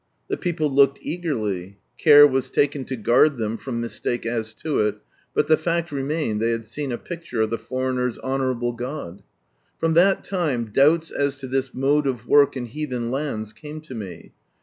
The people looked eagerly ; care was taken to guard them from mis take as to ii, but ihe fact remained they had seen "a picture of the foreigner's honourable God." From that time doubts as to this mode of work in heathen lands, came lo me.